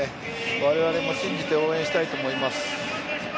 われわれも信じて応援したいと思います。